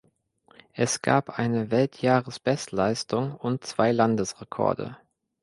Es gab eine Weltjahresbestleistung und zwei Landesrekorde.